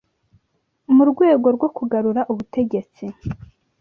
Mu rwego rwo kugarura ubutegetsi,